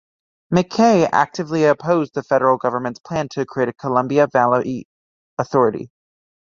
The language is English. McKay actively opposed the Federal Government's plan to create a Columbia Valley Authority.